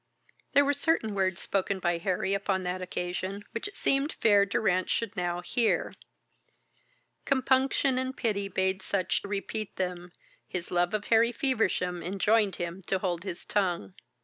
There were certain words spoken by Harry upon that occasion which it seemed fair Durrance should now hear. Compunction and pity bade Sutch repeat them, his love of Harry Feversham enjoined him to hold his tongue.